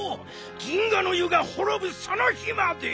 銀河の湯がほろぶその日まで！